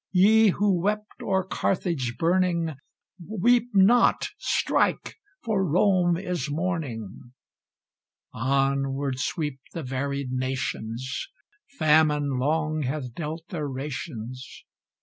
Ye who wept o'er Carthage burning, Weep not strike! for Rome is mourning! Onward sweep the varied nations! Famine long hath dealt their rations.